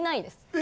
・え！？